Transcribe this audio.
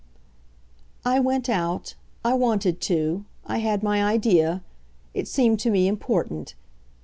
"I went out I wanted to. I had my idea. It seemed to me important.